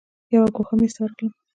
یو ګوښه میز ته ورغلم.